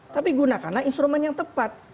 tapi gunakanlah instrumen yang tepat